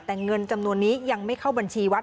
แต่เงินจำนวนนี้ยังไม่เข้าบัญชีวัด